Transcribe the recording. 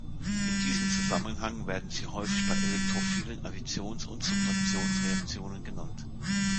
In diesem Zusammenhang werden sie häufig bei elektrophilen Additions- und Substitutionsreaktionen genannt.